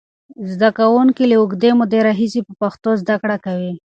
زده کوونکي له اوږدې مودې راهیسې په پښتو زده کړه کوي.